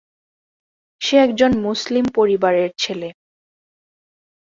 সে একজন মুসলিম পরিবারের ছেলে।